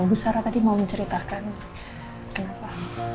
ibu sarah tadi mau menceritakan kenapa